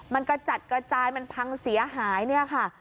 มันกระจัดกระจายมันพังเสียหายเนี่ยค่ะ